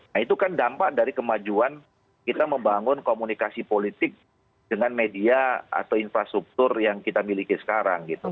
nah itu kan dampak dari kemajuan kita membangun komunikasi politik dengan media atau infrastruktur yang kita miliki sekarang gitu